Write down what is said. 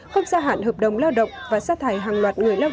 không gia hạn hợp đồng lao động và xa thải hàng loạt người lao động